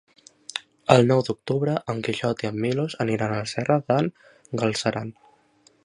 El nou d'octubre en Quixot i en Milos aniran a la Serra d'en Galceran.